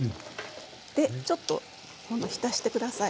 でちょっと今度は浸して下さい。